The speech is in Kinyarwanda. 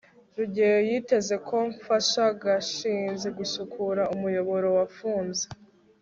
rugeyo yiteze ko mfasha gashinzi gusukura umuyoboro wafunze